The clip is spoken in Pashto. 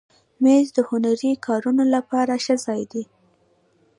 مېز د هنري کارونو لپاره ښه ځای دی.